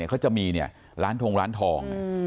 เขาจะมีร้านทงร้านทอง